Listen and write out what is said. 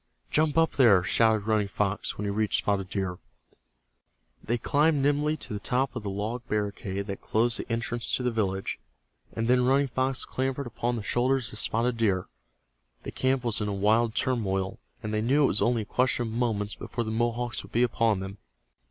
"Jump up there!" shouted Running Fox, when he reached Spotted Deer. They climbed nimbly to the top of the log barricade that closed the entrance to the village, and then Running Fox clambered upon the shoulders of Spotted Deer. The camp was in a wild turmoil, and they knew it was only a question of moments before the Mohawks would be upon them.